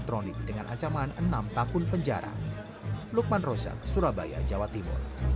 tim kuasa hukum